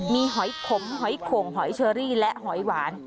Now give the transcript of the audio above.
มีหอยขมหอยโข่งหอยเชอรี่และหอยหวาน